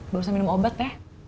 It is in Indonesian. barusan minum obat teh